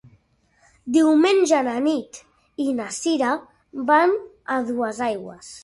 Diumenge na Nit i na Sira van a Duesaigües.